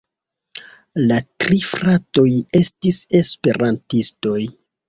La tri fratoj estis Esperantistoj.